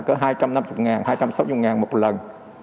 có hai trăm năm mươi hai trăm sáu mươi một lần